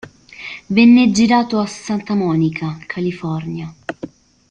Venne girato a Santa Monica, California.